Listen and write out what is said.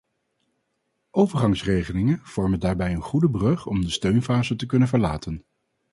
Overgangsregelingen vormen daarbij een goede brug om de steunfase te kunnen verlaten.